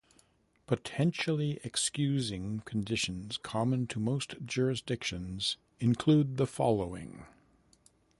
Potentially excusing conditions common to most jurisdictions include the following.